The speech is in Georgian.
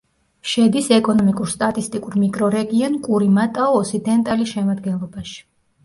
შედის ეკონომიკურ-სტატისტიკურ მიკრორეგიონ კურიმატაუ-ოსიდენტალის შემადგენლობაში.